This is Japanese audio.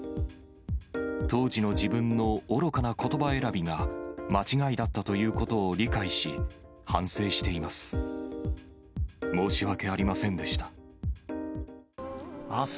当時の自分の愚かなことば選びが、間違いだったということを理解し、反省しています。